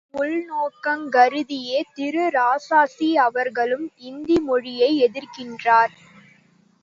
இவ் உள்நோக்கங் கருதியே திரு இராசாசி அவர்களும் இந்தி மொழியை எதிர்க்கின்றார்.